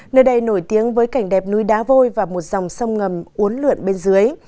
nơi đây nổi tiếng với cảnh đẹp núi đá vôi và một dòng sông ngầm uốn lượn bên dưới